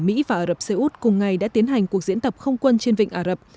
mỹ và ả rập xê út cùng ngày đã tiến hành cuộc diễn tập không quân trên vịnh ả rập